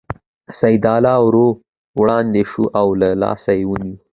سیدلال ور وړاندې شو او له لاسه یې ونیو.